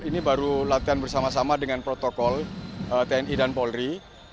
ini baru latihan bersama sama dengan protokol tni dan polri